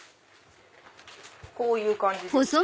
こういう感じですね。